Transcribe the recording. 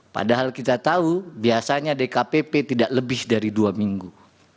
padahal kita tahu biasanya dkpp tidak lebih dari dua minggu